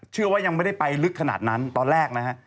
เชื่อว่ายังไม่ได้ไปลึกขนาดนั้นตอนแรกนะฮะ